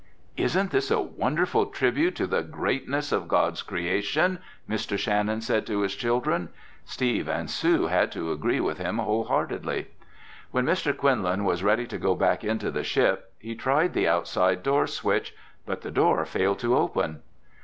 "Isn't this a wonderful tribute to the greatness of God's creation?" Mr. Shannon said to his children. Steve and Sue had to agree with him wholeheartedly. When Mr. Quinlan was ready to go back into the ship, he tried the outside door switch, but the door failed to open.